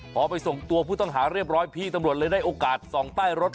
พอไปส่งตัวผู้ต้องหาเรียบร้อยพี่ตำรวจเลยได้โอกาสส่องใต้รถ